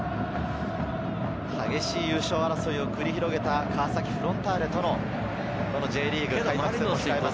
激しい優勝争いを繰り広げた川崎フロンターレとのＪリーグ開幕戦です。